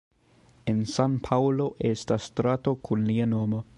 En San-Paŭlo estas strato kun lia nomo.